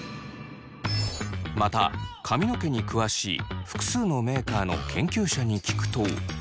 また髪の毛に詳しい複数のメーカーの研究者に聞くと。